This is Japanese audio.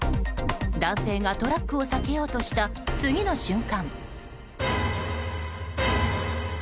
男性がトラックを避けようとした次の瞬間。